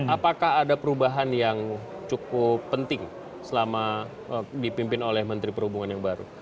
apakah ada perubahan yang cukup penting selama dipimpin oleh menteri perhubungan yang baru